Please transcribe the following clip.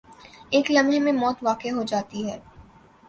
ایک لمحے میں موت واقع ہو جاتی ہے۔